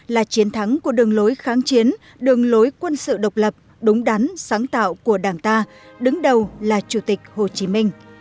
là chiến thắng của đường lối kháng chiến đường lối quân sự độc lập đúng đắn sáng tạo của đảng ta đứng đầu là chủ tịch hồ chí minh